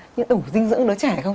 nhưng đủ dinh dưỡng đứa trẻ không